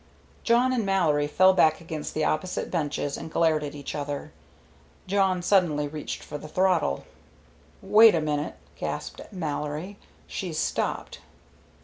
Jawn and Mallory fell back against the opposite benches and glared at each other. Jawn suddenly reached for the throttle. "Wait a minute," gasped Mallory; "she's stopped."